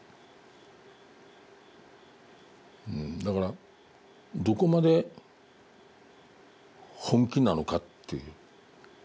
だからどこまで本気なのかっていう。